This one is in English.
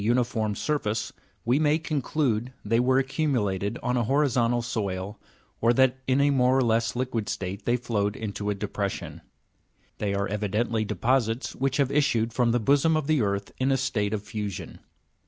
167 surface, we may conclude they were accumulated on a horizontal soil, or that in a more or less liquid state they flowed into a depres sion. They are evidently deposits which have issued from the bosom of the earth in a state of fusion.